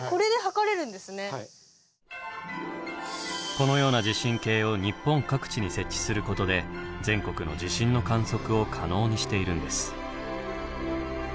このような地震計を日本各地に設置することで全国の地震の観測を可能にしているんです。